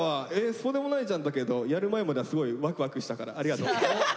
そうでもないじゃん」だけどやる前まではすごいワクワクしたからありがとう。